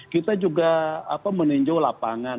kita juga meninjau lapangan